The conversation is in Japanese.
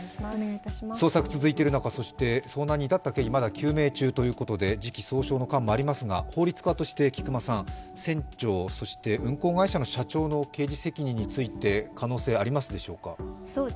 捜索が続いている中、そして遭難に至った経緯はまだ究明中ということで時期尚早の感もありますが法律家として菊間さん、船長、運航会社の社長の刑事責任について可能性ありますでしょうか？